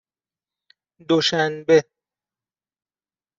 دوشنبه